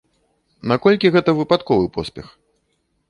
Наколькі гэта выпадковы поспех?